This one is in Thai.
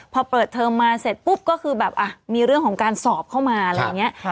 พอเปิดเทอมมาเสร็จปุ๊บก็คือแบบมีเรื่องของการสอบเข้ามาอะไรอย่างนี้